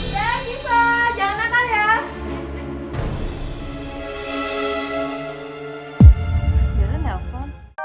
ya siva jangan akal ya